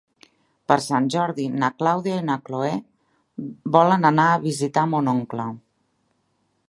Per Sant Jordi na Clàudia i na Cloè volen anar a visitar mon oncle.